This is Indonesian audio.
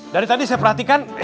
dari tadi saya perhatikan